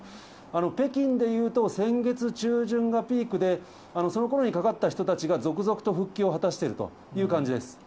北京でいうと、先月中旬がピークで、そのころにかかった人たちが、続々と復帰を果たしているという感じです。